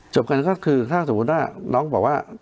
กันก็คือถ้าสมมุติว่าน้องบอกว่า